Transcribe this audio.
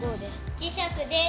磁石です。